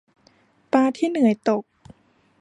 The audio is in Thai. ปลาที่เหนื่อยตก